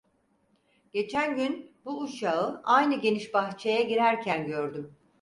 Geçen gün bu uşağı aynı geniş bahçeye girerken gördüm.